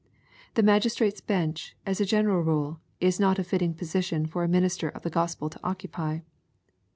The magis trate's bench, as a general rule, is not a fitting position for a min ister of the Gospel to occupy.